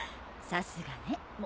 さすがね。